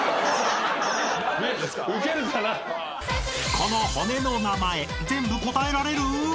［この骨の名前全部答えられる？］